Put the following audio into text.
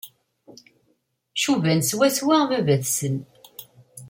Cuban swaswa baba-tsen.